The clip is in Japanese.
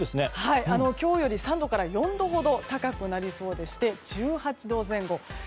今日より、３度から４度ほど高くなりそうでして１８度前後。